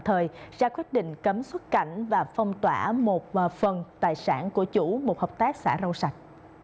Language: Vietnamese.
thời ra quyết định cấm xuất cảnh và phong tỏa một phần tài sản của chủ một hợp tác xã rau sạch